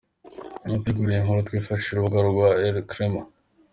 Mu gutegura iyi nkuru twifashishije urubuga rwa elcrema.